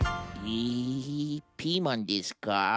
えピーマンですか？